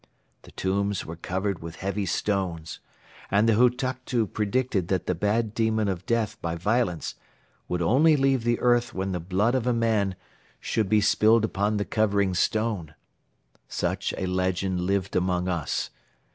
The tombs were covered with heavy stones and the Hutuktu predicted that the bad demon of Death by Violence would only leave the earth when the blood of a man should be spilled upon the covering stone. Such a legend lived among us.